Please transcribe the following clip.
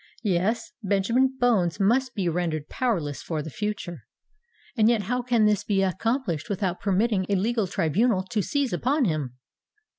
Yes—Benjamin Bones must be rendered powerless for the future;—and yet how can this be accomplished without permitting a legal tribunal to seize upon him?"